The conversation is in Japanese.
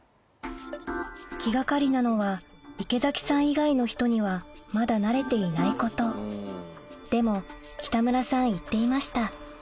気掛かりなのは池崎さん以外の人にはまだなれていないことでも北村さん言っていました